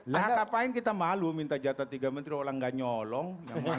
nah ngapain kita malu minta jatah tiga menteri orang nggak nyolong